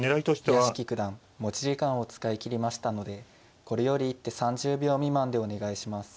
屋敷九段持ち時間を使い切りましたのでこれより一手３０秒未満でお願いします。